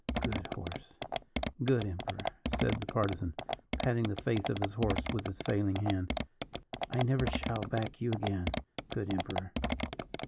"Good horse, good Emperor," said the Partisan, patting the face of his horse with his failing hand. "I never shall back you again, good Emperor.